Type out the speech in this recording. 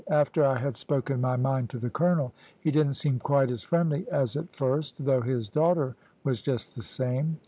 After I had spoken my mind to the colonel, he didn't seem quite as friendly as at first, though his daughter was just the same.